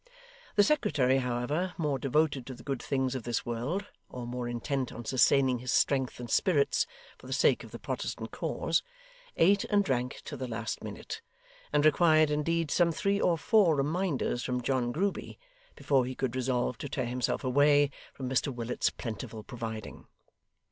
The secretary, however, more devoted to the good things of this world, or more intent on sustaining his strength and spirits for the sake of the Protestant cause, ate and drank to the last minute, and required indeed some three or four reminders from John Grueby, before he could resolve to tear himself away from Mr Willet's plentiful providing.